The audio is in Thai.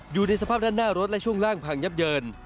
อยู่ในสภาพด้านหน้ารถและช่วงล่างพังยับเยิน